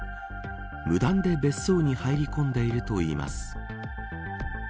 無断で別荘に入り込んでいるといいます。